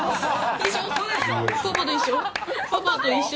パパと一緒？